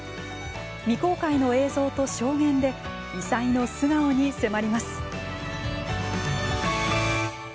未公開の映像と証言で異才の素顔に迫ります。